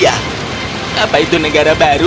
apa itu negara baru